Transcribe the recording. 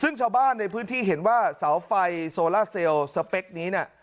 ซึ่งชาวบ้านในพื้นที่เห็นว่าเสาไฟโซล่าเซลล์สเปคนี้น่ะ